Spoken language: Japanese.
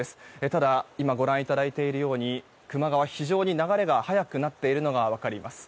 ただ、今ご覧いただいているように球磨川は非常に流れが速くなっているのが分かります。